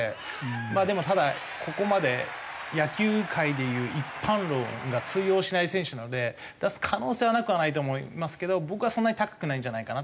まあでもただここまで野球界でいう一般論が通用しない選手なので出す可能性はなくはないと思いますけど僕はそんなに高くないんじゃないかなっていう風には。